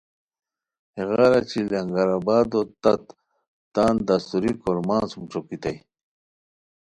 ہیغار اچی لنگر آبادو تت تان دستوری کورمان سُم ݯوکیتائے